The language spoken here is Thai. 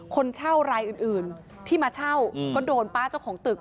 คนเช่ารายอื่นที่มาเช่าก็โดนป้าเจ้าของตึก